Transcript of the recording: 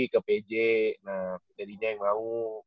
ke pj nah teddy nya yang mau